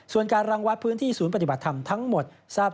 ส่วนการรังวัดพื้นที่ศูนย์ปฏิบัติธรรมทั้งหมดทราบ